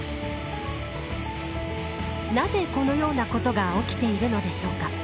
なぜこのようなことが起きているのでしょうか。